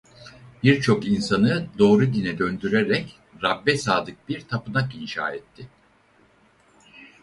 Birçok insanı doğru dine döndürerek Rab'be sadık bir tapınak inşa etti.